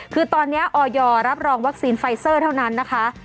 คือตอนนี้ออยรับรองวัคซีนไฟเซอร์เท่านั้นนะคะ